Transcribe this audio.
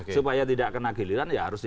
supaya tidak kena giliran ya harusnya